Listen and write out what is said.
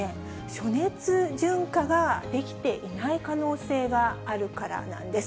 暑熱順化ができていない可能性があるからなんです。